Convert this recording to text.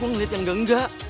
gue ngeliat yang gengga